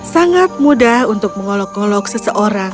sangat mudah untuk mengolok ngolok seseorang